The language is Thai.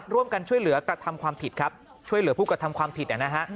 ร่วมกันช่วยเหลือกระทำความผิดครับช่วยเหลือผู้กระทำความผิดนะฮะ